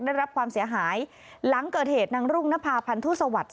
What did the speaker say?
ได้รับความเสียหายหลังเกิดเหตุนางรุ่งนภาพันธุสวัสดิ์